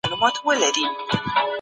ایا څېړنه نړیوال معیارونه لري؟